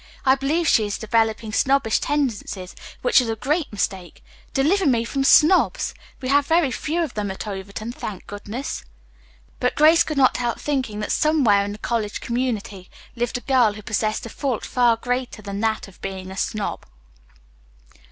I believe she is developing snobbish tendencies, which is a great mistake. Deliver me from snobs! We have very few of them at Overton, thank goodness." But Grace could not help thinking that somewhere in the college community lived a girl who possessed a fault far greater than that of being a snob.